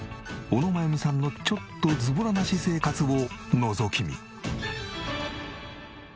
小野真弓さんのちょっとズボラな私生活をのぞき見。